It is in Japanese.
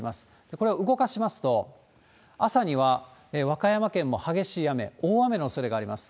これを動かしますと、朝には和歌山県も激しい雨、大雨のおそれがあります。